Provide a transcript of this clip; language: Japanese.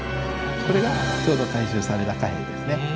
これがちょうど回収された貨幣ですね。